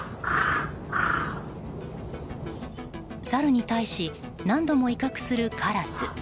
サルに対し何度も威嚇するカラス。